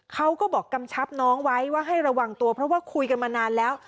เขาก็บอกกำชับน้องไว้ว่าให้ระวังตัวเพราะว่าคุยกันมานานแล้ว